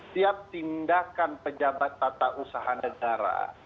tiap tindakan pejabat tata usaha negara